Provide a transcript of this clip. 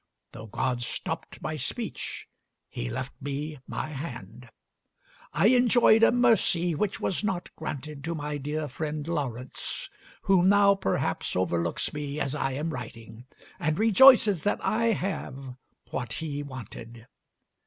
Though God stopped my speech, He left me my hand. I enjoyed a mercy which was not granted to my dear friend Lawrence, who now perhaps overlooks me as I am writing, and rejoices that I have what he wanted.